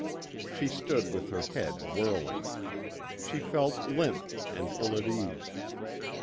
She stood with her head whirling. She felt limp and ill at ease.